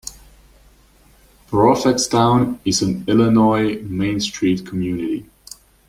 Prophetstown is an Illinois Main Street Community.